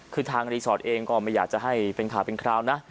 คือทางรีสอร์ทเองก็ไม่อยากจะให้เป็นข่าวเป็นคราวนะ